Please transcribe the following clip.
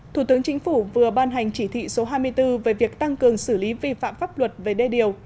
thủ tướng chính phủ vừa ban hành chỉ thị số hai mươi bốn về việc tăng cường xử lý vi phạm pháp luật về đê điều